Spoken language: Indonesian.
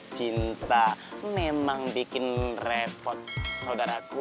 cinta memang bikin repot saudaraku